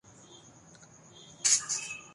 کوئلہ لکڑی اور قدرتی گیس وغیرہ